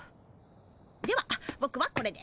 ではぼくはこれで。